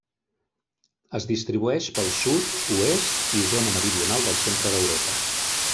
Es distribueix pel sud, oest i zona meridional del centre d'Europa.